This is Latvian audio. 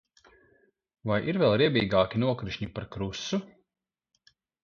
Vai ir vēl riebīgāki nokrišņi par krusu?